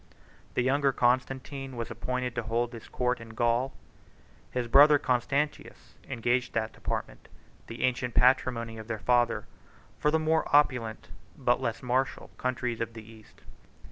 The younger Constantine was appointed to hold his court in Gaul; and his brother Constantius exchanged that department, the ancient patrimony of their father, for the more opulent, but less martial, countries of the East.